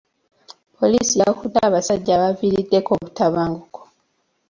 Poliisi yakutte abasajja abaaviiriddeko obutabanguko.